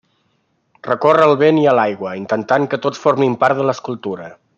Recorre al vent i a l'aigua, intentant que tots formin part de l'escultura.